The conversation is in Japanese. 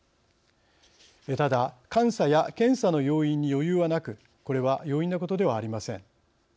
ただ監査や検査の要員に余裕はなくこれは容易なことではありません。